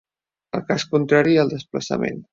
El cas contrari al desplaçament.